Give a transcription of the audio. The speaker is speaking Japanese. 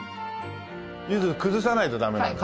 柚子崩さないとダメなんだよね。